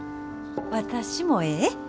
私もええ？